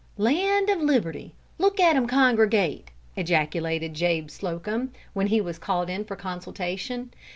"Land of liberty! look at 'em congregate!" ejaculated Jabe Slocum, when he was called in for consultation.